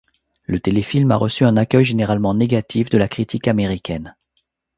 Le téléfilm a reçu un accueil généralement négatif de la critique américaine.